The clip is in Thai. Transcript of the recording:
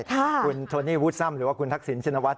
คุณโทนี่วูดซ่ำหรือว่าคุณทักษิณชินวัฒ